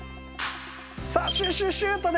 さあシューシューシューとね